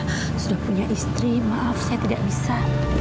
saya sudah punya istri maaf saya tidak bisa